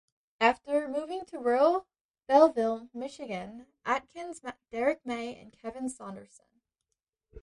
After moving to rural Belleville, Michigan, Atkins met Derrick May and Kevin Saunderson.